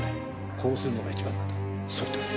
こうするのが一番だ」とそう言ってます。